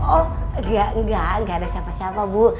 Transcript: oh gak gak gak ada siapa siapa bu